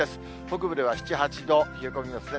北部では７、８度、冷え込みますね。